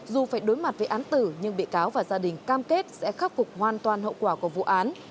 dù phải đối mặt với án tử nhưng bị cáo và gia đình cam kết sẽ khắc phục hoàn toàn hậu quả của vụ án